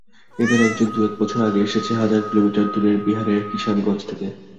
এদের একজন দুয়েক বছর আগে এসেছে হাজার কিলোমিটার দূরের বিহারের কিষানগঞ্জ থেকে।